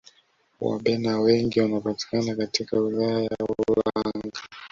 wabena wengi wanapatikana katika wilaya ya ulanga